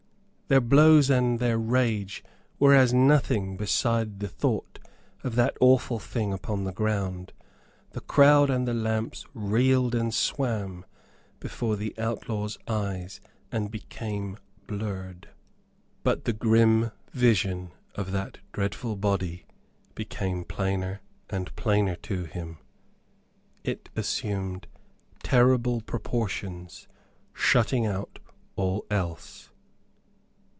Their blows and their rage were as nothing beside the thought of that awful thing upon the ground. The crowd and the lamps reeled and swam before the outlaw's eyes and became blurred. But the grim vision of that dreadful body became plainer and plainer to him. It assumed terrible proportions, shutting out all else.